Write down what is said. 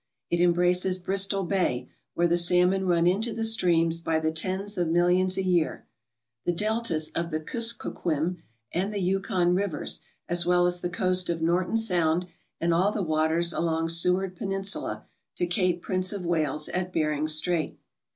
It embraces Bristol Bay, where the salmon run into the streams by the tens of millions a year, the deltas of the Kuskokwim and the Yukon rivers, as well as the coast of Norton Sound and all the waters along Seward Peninsula to Cape Prince of Wales at Bering Strait.